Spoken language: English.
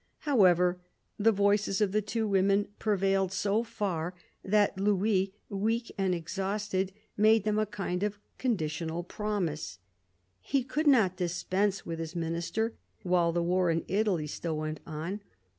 However, the voices of the two women prevailed so far that Louis, weak and exhausted, made them a kind of conditional promise. He could not dispense with his Minister while the war in Italy still went on.